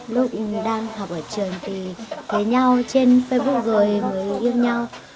lúc mình đang học ở trường thì thấy nhau trên facebook rồi mới yêu nhau